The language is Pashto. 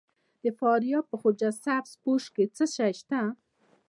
د فاریاب په خواجه سبز پوش کې څه شی شته؟